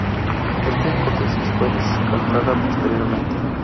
Esta hipótesis fue descartada posteriormente.